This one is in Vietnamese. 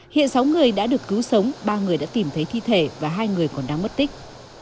hiện sáu người đã được cứu sống ba người đã tìm thấy thi thể và hai người còn đang mất tích